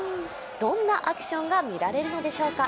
どんなアクションが見られるのでしょうか。